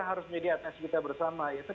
harus menjadi atas kita bersama yaitu